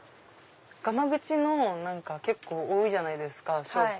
がまぐちの結構多いじゃないですか商品。